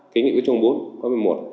kính nghĩa của chồng bố có một mươi một